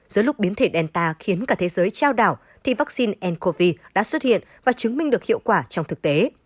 giữa lúc biến thể delta khiến cả thế giới trao đảo thì vaccine ncov đã xuất hiện và chứng minh được hiệu quả trong thực tế